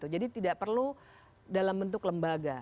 jadi tidak perlu dalam bentuk lembaga